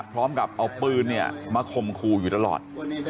พร้อมกับเอาปืนเนี่ยมาข่มขู่อยู่ตลอด